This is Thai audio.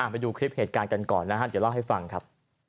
ไปดูคลิปเหตุการณ์กันก่อนนะครับเดี๋ยวเล่าให้ฟังครับ